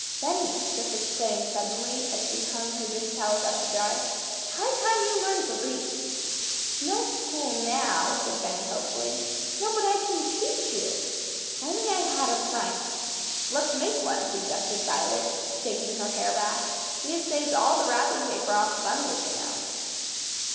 "Benny," Jess exclaimed suddenly, as she hung her dish towels up to dry, "it's high time you learned to read." "No school now," said Benny hopefully. "No, but I can teach you. If I only had a primer!" "Let's make one," suggested Violet, shaking her hair back. "We have saved all the wrapping paper off the bundles, you know."